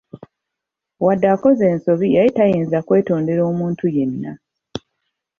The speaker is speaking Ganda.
Wadde akoze ensobi yali tayinza kwetondera omuntu yenna!